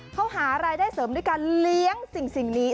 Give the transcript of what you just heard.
เขาหารายได้เสริมด้วยการเลี้ยงสิ่งนี้